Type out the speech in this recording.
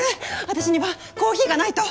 私にはコーヒーがないと。